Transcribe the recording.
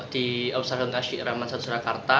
di obserhantasi ramasat surakarta